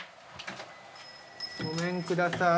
ごめんください。